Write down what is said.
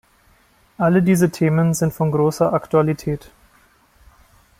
Alle diese Themen sind von großer Aktualität.